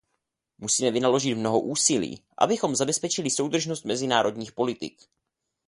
Musíme vynaložit mnoho úsilí, abychom zabezpečili soudržnost mezinárodních politik.